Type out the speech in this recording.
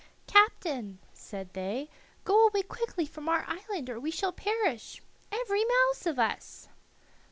"Captain," said they, "go away quickly from our island, or we shall perish, every mouse of us."